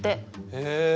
へえ。